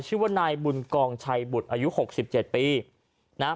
ชื่อว่านายบุญกองชัยบุตรอายุหกสิบเจ็ดปีนะฮะ